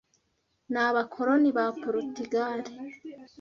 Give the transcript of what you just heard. ni Abakoloni ba Porutugali